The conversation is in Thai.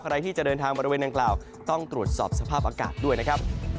ใครที่จะเดินทางบริเวณดังกล่าวต้องตรวจสอบสภาพอากาศด้วยนะครับ